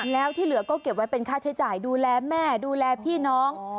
แล้วที่เหลือก็เก็บไว้เป็นค่าใช้จ่ายดูแลแม่ดูแลพี่น้อง